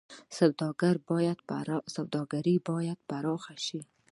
سوداګري باید پراخه شي